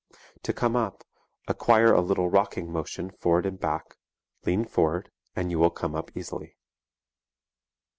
To come up, acquire a little rocking motion forward and back, lean forward, and you will come up easily.